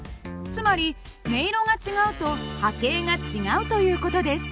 つまり音色が違うと波形が違うという事です。